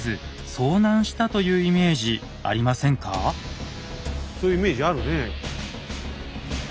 そういうイメージあるね。